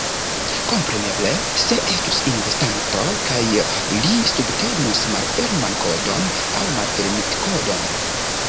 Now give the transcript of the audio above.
Kompreneble, se estus investanto kaj li subtenus malferman kodon aŭ malfermitkodon